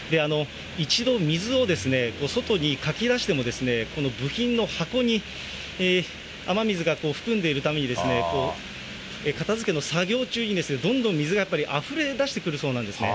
一度、水を外にかき出しても、この部品の箱に雨水が含んでいるために、片づけの作業中にどんどん水がやっぱりあふれ出してくるそうなんですね。